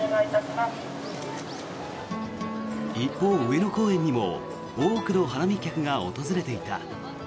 一方、上野公園にも多くの花見客が訪れていた。